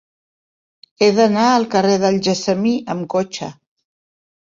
He d'anar al carrer del Gessamí amb cotxe.